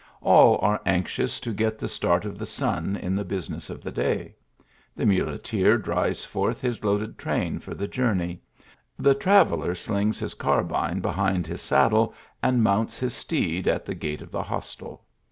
All are anxious to get the start or the sun in the business of the day. The muleteer drives forth his loaded train for the journey the traveller slings his carbine be hind his saddle and mounts his steed at the gate of the hostel.